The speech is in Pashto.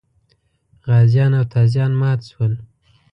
غازیان او تازیان مات شول.